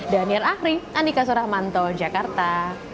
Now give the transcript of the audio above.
daniar ahri andika suramanto jakarta